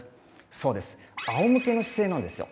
そうですあおむけの姿勢なんですよ。